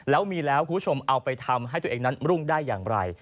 แล้วมีแล้วคุณผู้ชมเอาไปทำให้ตัวเองนั้นรุ่งได้อย่างไร